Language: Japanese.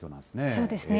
そうですね。